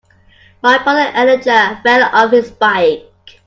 My brother Elijah fell off his bike.